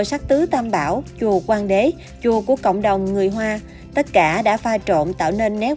sắc tứ tam bảo chùa quang đế chùa của cộng đồng người hoa tất cả đã pha trộn tạo nên nét